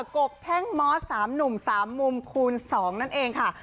กบแท่งมอสสามหนุ่มสามมุมคูณสองนั่นเองค่ะ